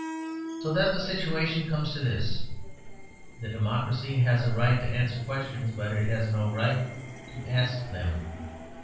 So that the situation comes to this: The democracy has a right to answer questions, but it has no right to ask them.